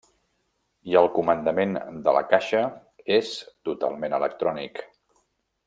I el comandament de la caixa és totalment electrònic.